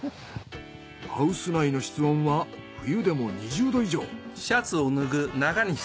ハウス内の室温は冬でも２０℃以上。